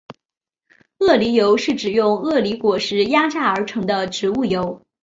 鳄梨油是指用鳄梨果实压榨而成的植物油。